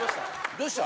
どうした？